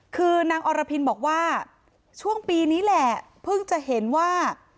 คือนางอรพินบอกว่าช่วงปีนี้แหละเพิ่งจะเห็นว่า